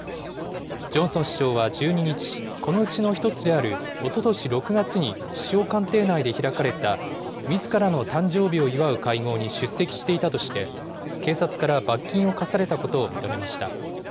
ジョンソン首相は１２日、このうちの１つであるおととし６月に首相官邸内で開かれた、みずからの誕生日を祝う会合に出席していたとして、警察から罰金を科されたことを認めました。